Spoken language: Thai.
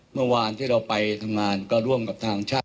เมื่อวานที่เราไปทำงานก็ร่วมกับทางชาติ